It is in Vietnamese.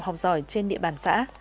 học giỏi trên địa bàn xã